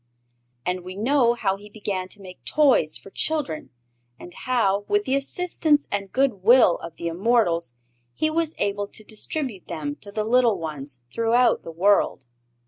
And we know how he began to make toys for children and how, with the assistance and goodwill of the immortals, he was able to distribute them to the little ones throughout the world.